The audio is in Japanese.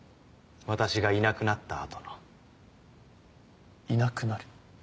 私がいなくなったあとのいなくなる？